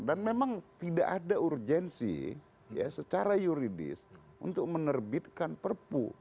dan memang tidak ada urgensi secara yuridis untuk menerbitkan perpu